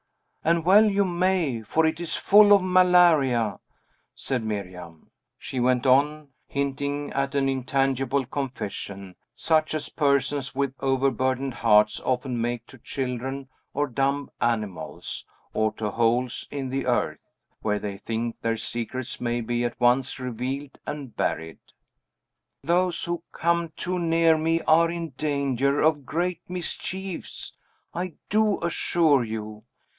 "And well you may, for it is full of malaria," said Miriam; she went on, hinting at an intangible confession, such as persons with overburdened hearts often make to children or dumb animals, or to holes in the earth, where they think their secrets may be at once revealed and buried. "Those who come too near me are in danger of great mischiefs, I do assure you.